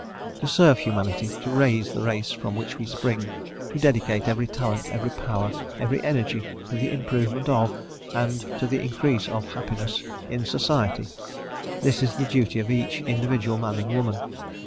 To serve humanity, to raise the race from which we spring, to dedicate every talent, every power, every energy, to the improvement of, and to the increase of happiness in, society, this is the duty of each individual man and woman.